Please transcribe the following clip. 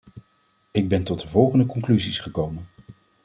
Ik ben tot de volgende conclusies gekomen.